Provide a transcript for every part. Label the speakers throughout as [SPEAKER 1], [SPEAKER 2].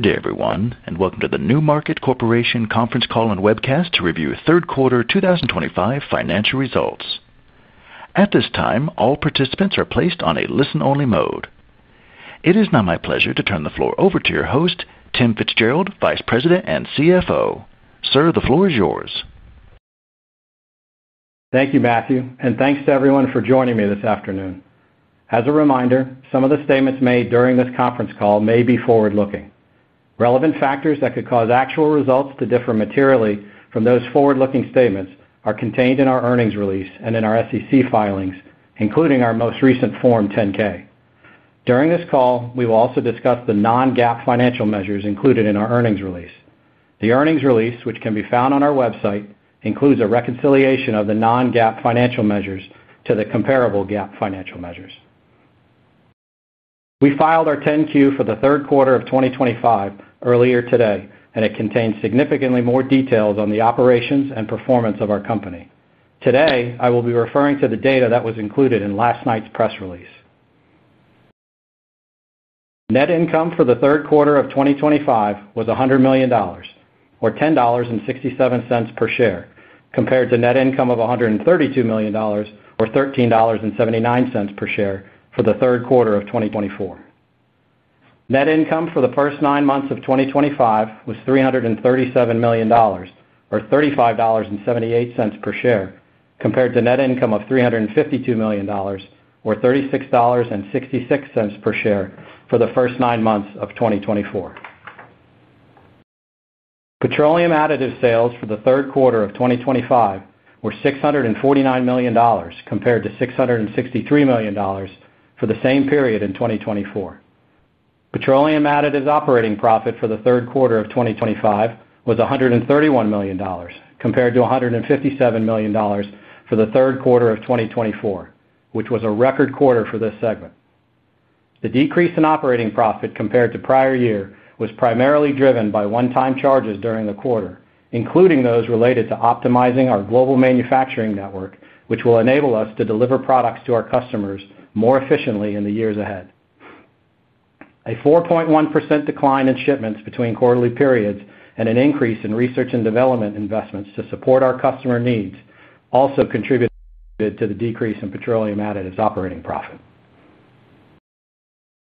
[SPEAKER 1] Good day, everyone, and welcome to the NewMarket Corporation conference call and webcast to review third quarter 2025 financial results. At this time, all participants are placed on a listen-only mode. It is now my pleasure to turn the floor over to your host, Tim Fitzgerald, Vice President and CFO. Sir, the floor is yours.
[SPEAKER 2] Thank you, Matthew, and thanks to everyone for joining me this afternoon. As a reminder, some of the statements made during this conference call may be forward-looking. Relevant factors that could cause actual results to differ materially from those forward-looking statements are contained in our earnings release and in our SEC filings, including our most recent Form 10-K. During this call, we will also discuss the non-GAAP financial measures included in our earnings release. The earnings release, which can be found on our website, includes a reconciliation of the non-GAAP financial measures to the comparable GAAP financial measures. We filed our 10-Q for the third quarter of 2025 earlier today, and it contains significantly more details on the operations and performance of our company. Today, I will be referring to the data that was included in last night's press release. Net income for the third quarter of 2025 was $100 million, or $10.67 per share, compared to net income of $132 million, or $13.79 per share, for the third quarter of 2024. Net income for the first nine months of 2025 was $337 million, or $35.78 per share, compared to net income of $352 million, or $36.66 per share, for the first nine months of 2024. Petroleum additive sales for the third quarter of 2025 were $649 million, compared to $663 million for the same period in 2024. Petroleum additive operating profit for the third quarter of 2025 was $131 million, compared to $157 million for the third quarter of 2024, which was a record quarter for this segment. The decrease in operating profit compared to the prior year was primarily driven by one-time charges during the quarter, including those related to optimizing our global manufacturing network, which will enable us to deliver products to our customers more efficiently in the years ahead. A 4.1% decline in shipments between quarterly periods and an increase in R&D investments to support our customer needs also contributed to the decrease in petroleum additive operating profit.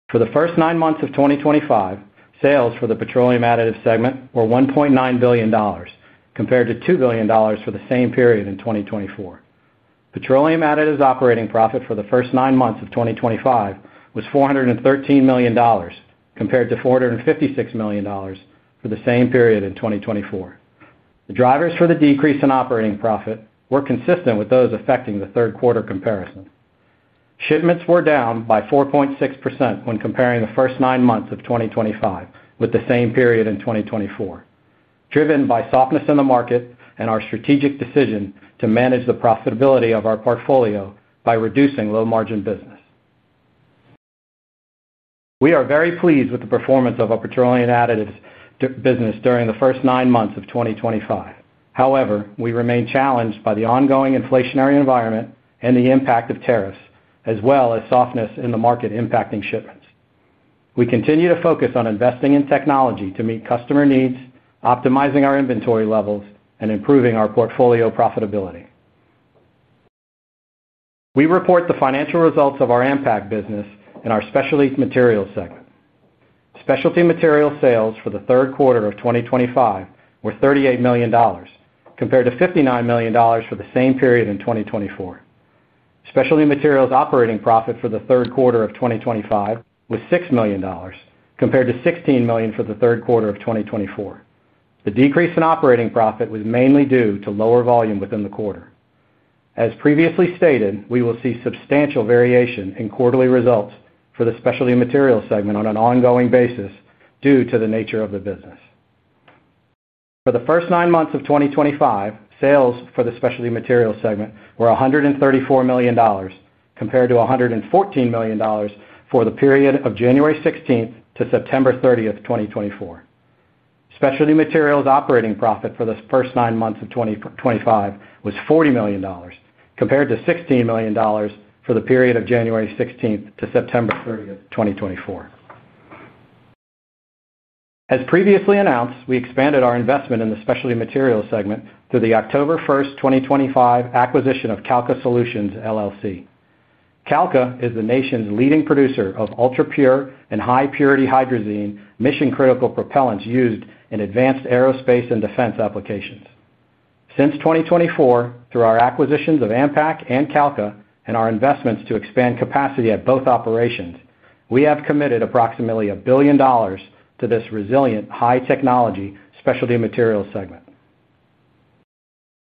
[SPEAKER 2] For the first nine months of 2025, sales for the petroleum additive segment were $1.9 billion, compared to $2 billion for the same period in 2024. Petroleum additive operating profit for the first nine months of 2025 was $413 million, compared to $456 million for the same period in 2024. The drivers for the decrease in operating profit were consistent with those affecting the third quarter comparison. Shipments were down by 4.6% when comparing the first nine months of 2025 with the same period in 2024, driven by softness in the market and our strategic decision to manage the profitability of our portfolio by reducing low-margin business. We are very pleased with the performance of our petroleum additives business during the first nine months of 2025. However, we remain challenged by the ongoing inflationary environment and the impact of tariffs, as well as softness in the market impacting shipments. We continue to focus on investing in technology to meet customer needs, optimizing our inventory levels, and improving our portfolio profitability. We report the financial results of our AMPAC business in our specialty materials segment. Specialty materials sales for the third quarter of 2025 were $38 million, compared to $59 million for the same period in 2024. Specialty materials operating profit for the third quarter of 2025 was $6 million, compared to $16 million for the third quarter of 2024. The decrease in operating profit was mainly due to lower volume within the quarter. As previously stated, we will see substantial variation in quarterly results for the specialty materials segment on an ongoing basis due to the nature of the business. For the first nine months of 2025, sales for the specialty materials segment were $134 million, compared to $114 million for the period of January 16th to September 30th, 2024. Specialty materials operating profit for the first nine months of 2025 was $40 million, compared to $16 million for the period of January 16th to September 30th, 2024. As previously announced, we expanded our investment in the specialty materials segment through the October 1st, 2025, acquisition of Calca Solutions, LLC. Calca is the nation's leading producer of ultra-pure hydrazine propellants used in advanced aerospace and defense applications. Since 2024, through our acquisitions of AMPAC and Calca and our investments to expand capacity at both operations, we have committed approximately $1 billion to this resilient, high-technology specialty materials segment.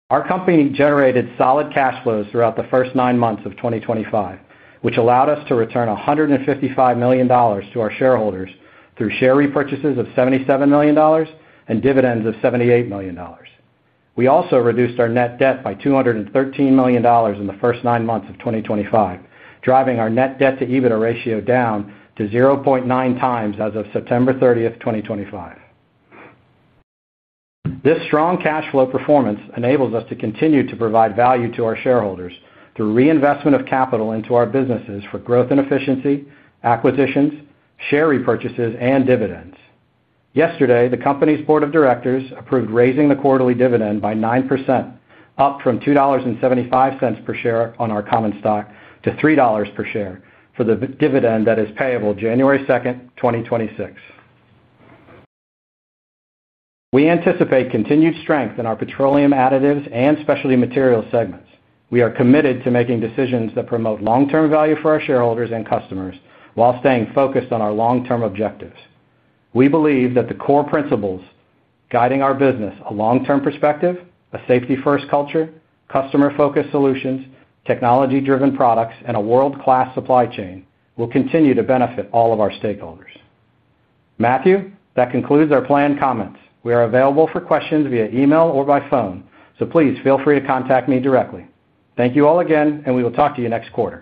[SPEAKER 2] Our company generated solid cash flows throughout the first nine months of 2025, which allowed us to return $155 million to our shareholders through share repurchases of $77 million and dividends of $78 million. We also reduced our net debt by $213 million in the first nine months of 2025, driving our net debt-to-EBITDA ratio down to 0.9 times as of September 30, 2025. This strong cash flow performance enables us to continue to provide value to our shareholders through reinvestment of capital into our businesses for growth and efficiency, acquisitions, share repurchases, and dividends. Yesterday, the company's Board of Directors approved raising the quarterly dividend by 9%, up from $2.75 per share on our common stock to $3 per share for the dividend that is payable January 2, 2026. We anticipate continued strength in our petroleum additives and specialty materials segments. We are committed to making decisions that promote long-term value for our shareholders and customers while staying focused on our long-term objectives. We believe that the core principles guiding our business—a long-term perspective, a safety-first culture, customer-focused solutions, technology-driven products, and a world-class supply chain—will continue to benefit all of our stakeholders. Matthew, that concludes our planned comments. We are available for questions via email or by phone, so please feel free to contact me directly. Thank you all again, and we will talk to you next quarter.